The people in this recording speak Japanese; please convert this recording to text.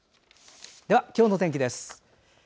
では今日の天気です。